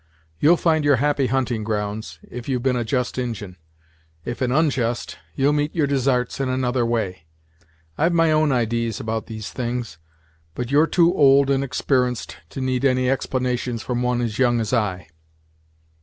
You'll find your happy hunting grounds, if you've been a just Injin; if an onjust, you'll meet your desarts in another way. I've my own idees about these things; but you're too old and exper'enced to need any explanations from one as young as I."